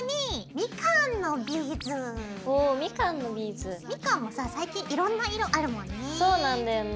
みかんもさ最近いろんな色あるもんね。